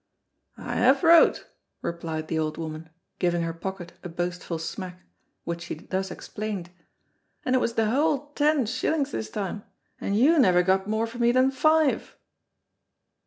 "I have wrote," replied the old woman, giving her pocket a boastful smack, which she thus explained, "And it was the whole ten shillings this time, and you never got more for me than five."